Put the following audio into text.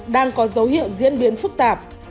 đang có dấu hiệu diễn biến phức tạp